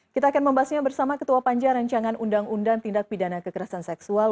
kita akan membahasnya bersama ketua panja rancangan undang undang tindak pidana kekerasan seksual